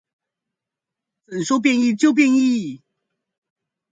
怎說變異就變異